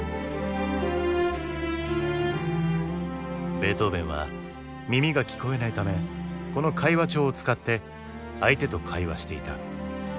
ベートーヴェンは耳が聞こえないためこの会話帳を使って相手と会話していた。